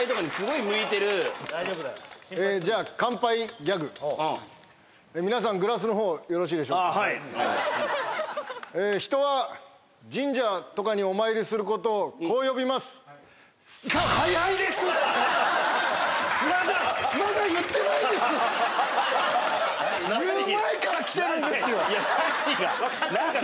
じゃあ人は神社とかにお参りすることをこう呼びますまだ！